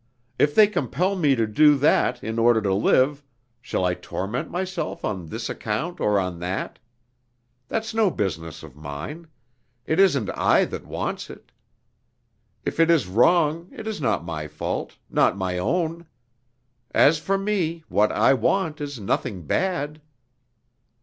If they compel me to do that in order to live, shall I torment myself on this account or on that? That's no business of mine; it isn't I that wants it. If it is wrong it is not my fault, not my own. As for me, what I want is nothing bad."